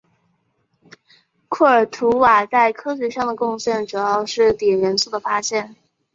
库尔图瓦在科学上的贡献主要是碘元素的发现。